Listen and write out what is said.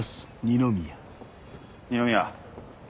二宮。